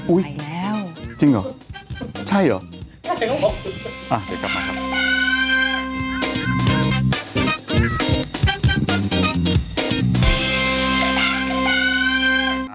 อุ๊ยจริงเหรอใช่เหรออ้าวเดี๋ยวกลับมาครับคุณตั๊ง